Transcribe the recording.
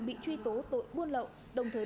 bị truy tố tội buôn lậu đồng thời